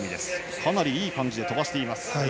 かなりいい感じで飛ばしています